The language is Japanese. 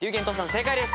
正解です。